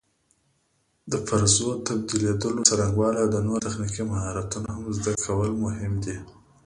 د پرزو تبدیلولو څرنګوالي او نور تخنیکي مهارتونه هم زده کول مهم دي.